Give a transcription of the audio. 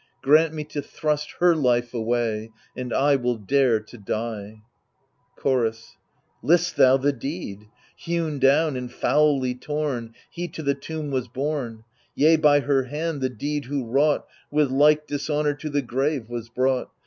Grant me to thrust her life away, and I Will dare to die ! Chorus List thou the deed 1 Hewn down and foully torn, He to the tomb was borne ; Yea, by her hand, the deed who wrought. With like dishonour to the grave was brought.